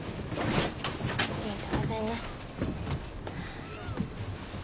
ありがとうございます。